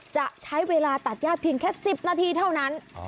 จะใช้เวลาตัดย่าเพียงแค่๑๐นาทีเท่านั้น